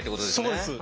そうです。